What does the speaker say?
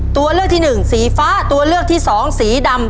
ตัวเลือกที่หนึ่งสีฟ้าตัวเลือกที่สองสีดำ